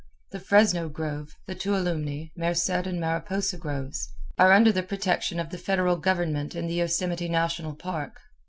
The Fresno grove, the Tuolumne, Merced and Mariposa groves are under the protection of the Federal Government in the Yosemite National Park.